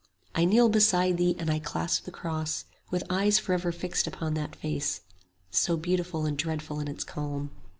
I kneel beside thee and I clasp the cross, With eyes forever fixed upon that face, 50 So beautiful and dreadful in its calm.